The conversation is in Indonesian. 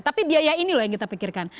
tapi biaya ini loh yang kita pikirkan